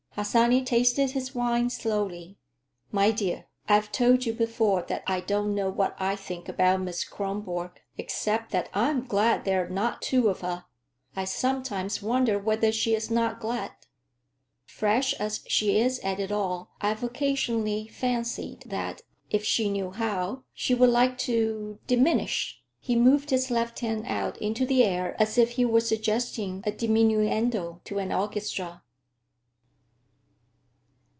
Harsanyi tasted his wine slowly. "My dear, I've told you before that I don't know what I think about Miss Kronborg, except that I'm glad there are not two of her. I sometimes wonder whether she is not glad. Fresh as she is at it all, I've occasionally fancied that, if she knew how, she would like to—diminish." He moved his left hand out into the air as if he were suggesting a diminuendo to an orchestra.